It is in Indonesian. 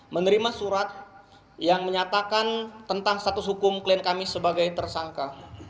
menerima surat yang menyatakan tentang status hukum klien kami sebagai tersangka